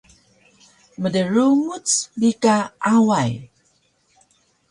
Mdrumuc bi ka Away